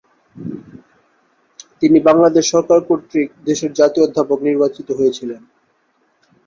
তিনি বাংলাদেশ সরকার কর্তৃক দেশের জাতীয় অধ্যাপক নির্বাচিত হয়েছিলেন।